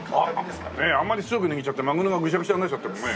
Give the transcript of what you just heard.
あんまり強く握っちゃってマグロがグシャグシャになっちゃってもね。